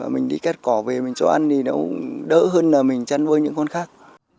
mình đi cắt cỏ về mình cho ăn thì nó đỡ hơn là mình chăn nuôi những con khác